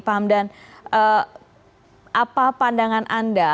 pak hamdan apa pandangan anda